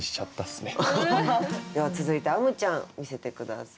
では続いてあむちゃん見せて下さい。